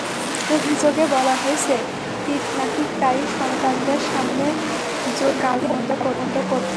অভিযোগে বলা হচ্ছে, পিট নাকি প্রায়ই সন্তানদের সামনে জোলিকে গালমন্দ করতেন।